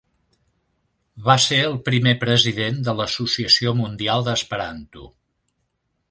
Va ser el primer president de l'Associació Mundial d'Esperanto.